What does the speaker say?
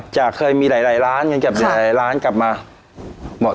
เคยมีหลายล้านเงินเกือบหลายล้านกลับมาหมด